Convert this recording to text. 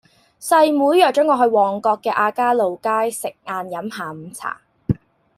細妹約左我去旺角嘅亞皆老街食晏飲下午茶